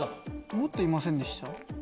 もっといませんでした？